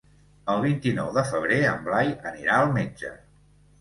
El vint-i-nou de febrer en Blai anirà al metge.